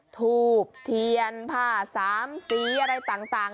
ทูบเทียนผ้าสามสีอะไรต่าง